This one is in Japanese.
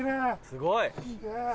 すごい。